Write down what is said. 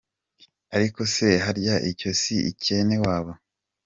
Ariko se harya icyo si icyene wabo?